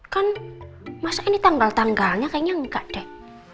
kan masa ini tanggal tanggalnya kayaknya enggak deh